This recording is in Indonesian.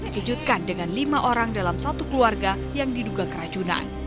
dikejutkan dengan lima orang dalam satu keluarga yang diduga keracunan